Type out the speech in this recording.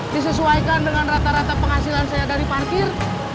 disesuaikan dengan rata rata penghasilan saya dari parkir